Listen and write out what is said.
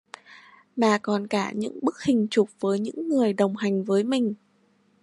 Mà còn cả những bức hình chụp với những người đồng hành với mình